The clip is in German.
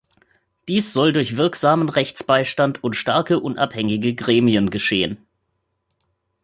Dies soll durch wirksamen Rechtsbeistand und starke unabhängige Gremien geschehen.